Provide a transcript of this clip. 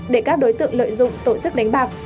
để các đối tượng lợi dụng tổ chức đánh bạc